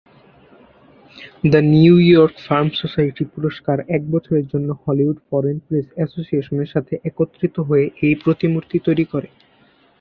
The New York firm society পুরস্কার এক বছরের জন্য হলিউড ফরেন প্রেস অ্যাসোসিয়েশনের সাথে একত্রিত হয়ে এই প্রতিমূর্তি তৈরি করে।